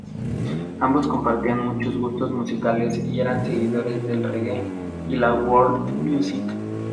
Ambos compartían muchos gustos musicales y eran seguidores del "reggae" y la "world music".